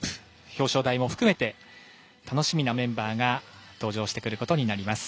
表彰台も含め楽しみなメンバーが登場してくることになります。